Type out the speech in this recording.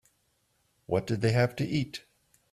What did they have to eat?